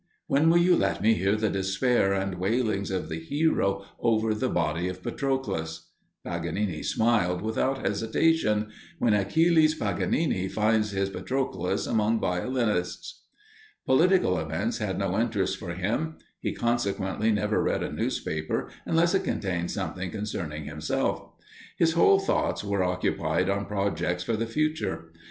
When will you let me hear the despair and wailings of the hero over the body of Patroclus?" Paganini replied, without hesitation, "When Achilles Paganini finds his Patroclus among violinists." Political events had no interest for him; he consequently never read a newspaper unless it contained something concerning himself. His whole thoughts were occupied on projects for the future.